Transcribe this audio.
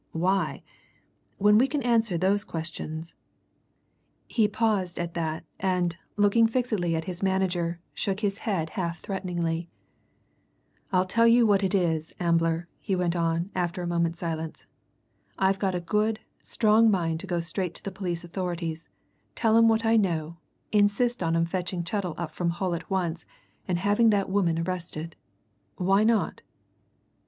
Why? When we can answer those questions " He paused at that, and, looking fixedly at his manager, shook his head half threateningly. "I'll tell you what it is, Ambler," he went on, after a moment's silence. "I've got a good, strong mind to go straight to the police authorities, tell 'em what I know, insist on 'em fetching Chettle up from Hull at once, and having that woman arrested. Why not?"